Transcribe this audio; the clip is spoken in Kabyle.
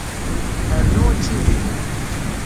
Rnu aččini.